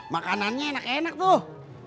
makanannya enak enak tuh